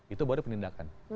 itu baru penindakan